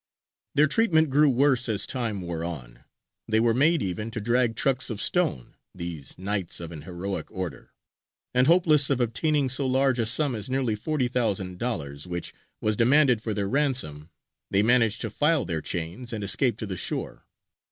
Their treatment grew worse as time wore on; they were made even to drag trucks of stone, these knights of an heroic Order; and hopeless of obtaining so large a sum as nearly $40,000, which was demanded for their ransom, they managed to file their chains and escape to the shore.